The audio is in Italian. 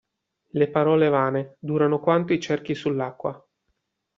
Le parole vane durano quanto i cerchi sull'acqua.